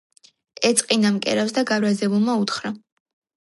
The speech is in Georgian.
ეწყინა მკერავს და გაბრაზებულმა უთხრა